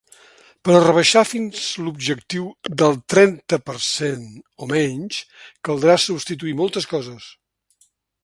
Per a rebaixar fins l’objectiu del trenta per cent o menys, caldrà substituir moltes coses.